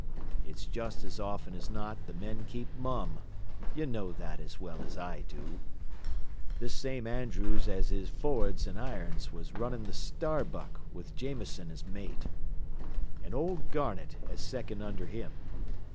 It's just as often as not th' men keep mum. You know that as well as I do. "This same Andrews as is forrads in irons was running the Starbuck with Jameson as mate, an' old Garnett as second under him.